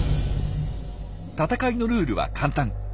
戦いのルールは簡単。